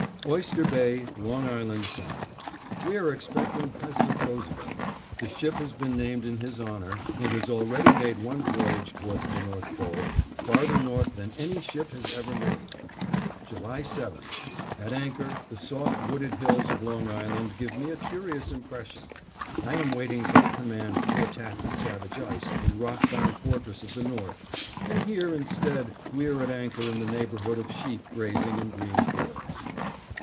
Oyster Bay, Long Island Sound: We are expecting President Roosevelt. The ship has been named in his honor and has already made one voyage towards the North Pole, farther north than any ship has ever made. July 7: At anchor, the soft wooded hills of Long Island give me a curious impression. I am waiting for the command to attack the savage ice and rock bound fortress of the North, and here instead we are at anchor in the neighborhood of sheep grazing in green fields.